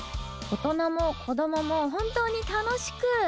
大人も子供も本当に楽しく